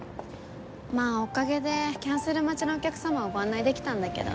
まあおかげでキャンセル待ちのお客様をご案内できたんだけどね。